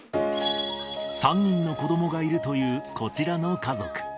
３人の子どもがいるというこちらの家族。